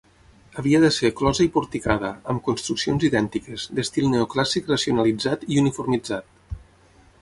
Havia de ser closa i porticada, amb construccions idèntiques, d'estil neoclàssic racionalitzat i uniformitzat.